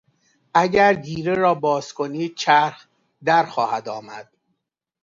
اگر گیره را بازکنی چرخ درخواهد آمد.